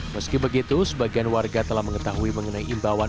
meski begitu sebagian warga telah mengetahui mengenai imbauan